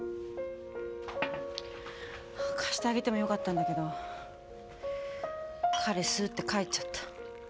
貸してあげてもよかったんだけど彼スーッて帰っちゃった。